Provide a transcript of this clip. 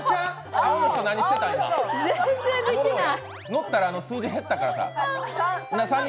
乗ったら数字減ったからさ。